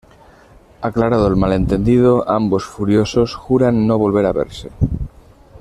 Aclarado el malentendido, ambos furiosos juran no volver a verse.